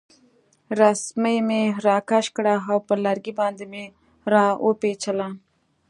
رسۍ مې راکش کړه او پر لرګي باندې مې را وپیچله.